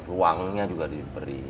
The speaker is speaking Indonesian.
ruangnya juga diberi